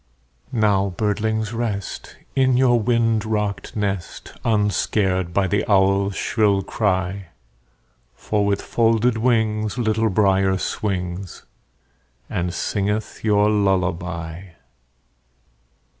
Now, birdlings, rest, In your wind rocked nest, Unscared by the owl's shrill cry; For with folded wings Little Brier swings, And singeth your lullaby.